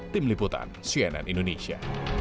tim liputan cnn indonesia